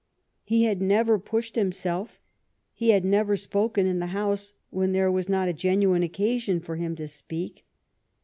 He had never pushed himself, he had never spoken in the House when there was not a genuine occasion for him to speak.